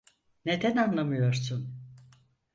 Neden anlamıyorsun?